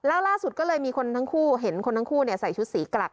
แล้วล่าสุดก็เลยมีคนทั้งคู่เห็นคนทั้งคู่ใส่ชุดสีกลัก